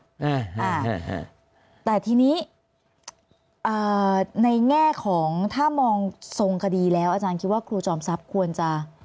อ่าฮะแต่ทีนี้อ่าในแง่ของถ้ามองทรงคดีแล้วอาจารย์คิดว่าครูจอมทรัพย์ควรจะ